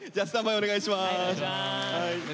お願いします。